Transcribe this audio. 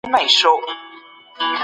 ښوونکی د زدهکوونکو زدهکړه ارزیابي کوي.